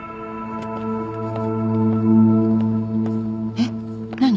えっ？何？